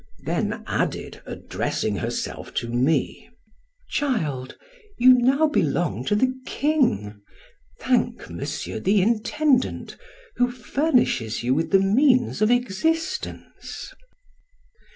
Then added, addressing herself to me, "Child, you now belong to the king, thank Monsieur the Intendant, who furnishes you with the means of existence."